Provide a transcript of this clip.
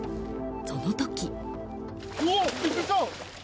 その時。